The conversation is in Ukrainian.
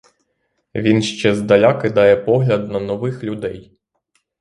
Він ще здаля кидає погляд на нових людей.